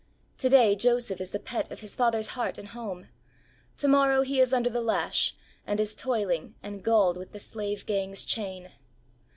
To day Joseph is the pet of his father's heart and home; to morrow he is under the lash and is toiling and galled with the slave gang's chain.